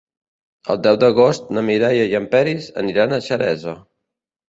El deu d'agost na Mireia i en Peris aniran a Xeresa.